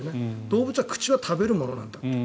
動物は口は食べるものなんだって。